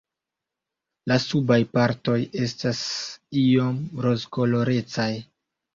La subaj partoj estas iom rozkolorecaj.